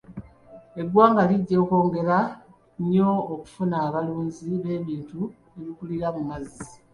Eggwanga lijja kwongera nnyo okufuna abalunzi b'ebintu ebikulira mu mazzi.